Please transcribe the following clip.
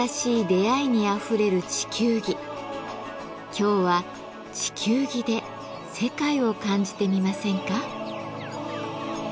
今日は地球儀で世界を感じてみませんか。